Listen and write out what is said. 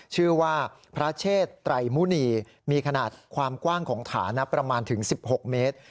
ชื่อว่าพระเชษไตรมุณีมีขนาดความกว้างของฐานะประมาณถึง๑๖เมตร